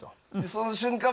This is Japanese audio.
その瞬間